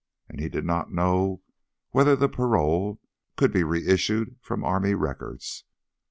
And he did not know whether the parole could be reissued from army records.